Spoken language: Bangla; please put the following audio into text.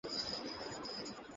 আপনি শুরু করুন?